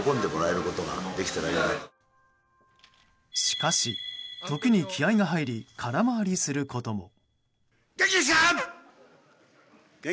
しかし、時に気合が入り空回りすることも。